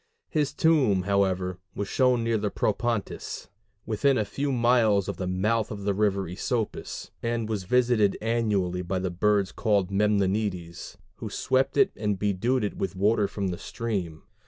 His tomb, however, was shown near the Propontis, within a few miles of the mouth of the river Æsopus, and was visited annually by the birds called Memnonides, who swept it and bedewed it with water from the stream.